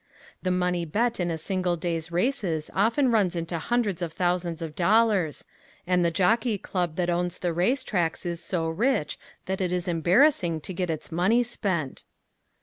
The money bet on a single day's races often runs into hundreds of thousands of dollars, and the Jockey Club that owns the race tracks is so rich that it is embarrassing to get its money spent.